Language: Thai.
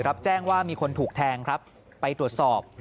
รับแจ้งว่ามีคนถูกแทงครับไปตรวจสอบ